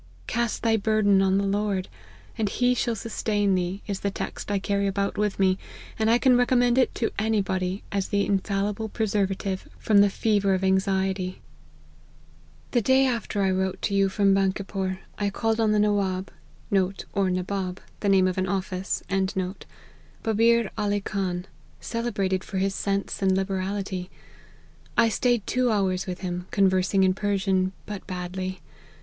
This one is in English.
' Cast thy burden on the Lord, and he shall sustain thee,' is the text I carry about with me, and I can recommend it to any body as an infallible preservative from the fever of anxiety." " The day after I wrote to you from Bankipore, I called on the Nawaub,* Babir Ali Khan, cele^ brated for his sense and liberality. I staid two hours with him, conversing in Persian, but badly.